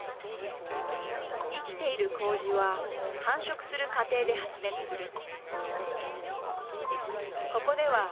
生きているこうじは繁殖する過程で発熱する。